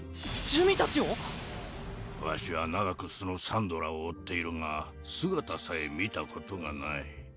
珠魅たちを⁉わしは長くそのサンドラを追っているが姿さえ見たことがない。